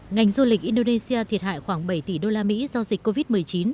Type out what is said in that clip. ngành du lịch indonesia thiệt hại khoảng bảy tỷ đô la mỹ do dịch covid một mươi chín